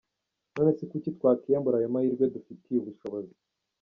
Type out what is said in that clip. None se kuki twakiyambura ayo mahirwe dufitiye ubushobozi?”